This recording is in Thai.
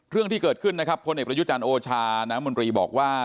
เรื่องที่เกิดขึ้นนะครับพลเอกประยุจันทร์โอชาน้ำมนตรีบอกว่า